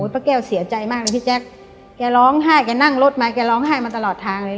ป้าแก้วเสียใจมากเลยพี่แจ๊คแกร้องไห้แกนั่งรถมาแกร้องไห้มาตลอดทางเลย